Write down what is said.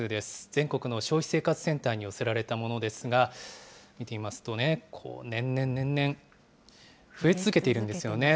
全国の消費生活センターに寄せられたものですが、見てみますと、年々、年々、増え続けているんですよね。